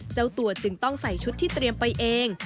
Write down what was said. เจ้าตัวจึงต้องใส่ชุดที่เตรียมไปเอง